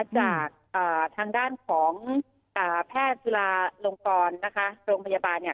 จากทางด้านของแพทย์ธุราลงกรรมัย